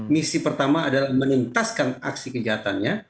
misi pertama adalah menuntaskan aksi kejahatannya